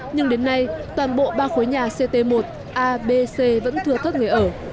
nhưng đến nay toàn bộ ba khối nhà ct một a b c vẫn thừa thất người ở